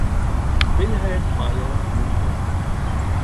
Wilhelm Meyer jun.